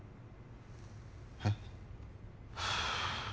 えっ？